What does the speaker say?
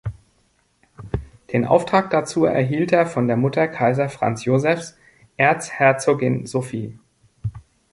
Den Auftrag dazu erhielt er von der Mutter Kaiser Franz Josephs, Erzherzogin Sophie.